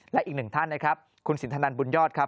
และอีกหนึ่งท่านนะครับคุณสินทนันบุญยอดครับ